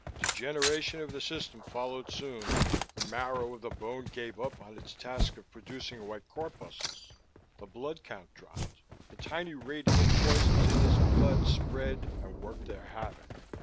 Degeneration of the system followed soon, the marrow of the bone gave up on its task of producing white corpuscles, the blood count dropped, the tiny radiant poisons in his blood spread and worked their havoc.